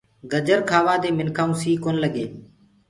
گجر کآوآ دي منکآنٚ ڪوُ سي ڪونآ لگي۔